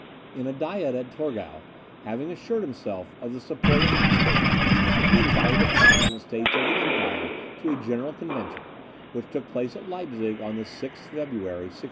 In a Diet at Torgau, having assured himself of the support of his Estates, he invited the Protestant States of the empire to a general convention, which took place at Leipzig, on the 6th February 1631.